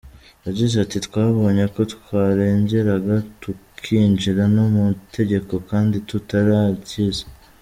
Yagize ati “Twabonye ko twarengeraga tukinjira no mu itegeko kandi tutararyize.